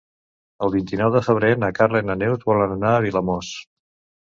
El vint-i-nou de febrer na Carla i na Neus volen anar a Vilamòs.